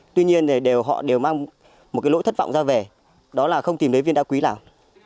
tuy nhiên thì họ đều mang một cái lỗi thất vọng ra về đó là không tìm thấy viên đá quý nào